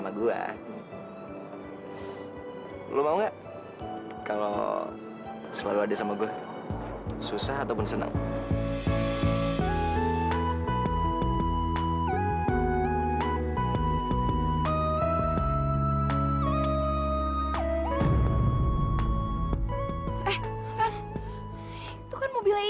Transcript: apa hot endak mia